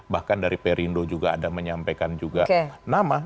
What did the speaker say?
bahkan dari perindo juga ada menyampaikan juga nama